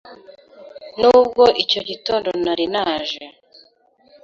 Nubwo icyo gitondo nari naje